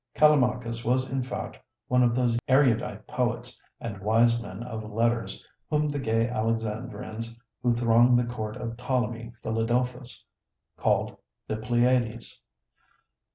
Callimachus was in fact one of those erudite poets and wise men of letters whom the gay Alexandrians who thronged the court of Ptolemy Philadelphus called "The Pleiades."